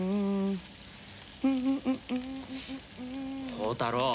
宝太郎。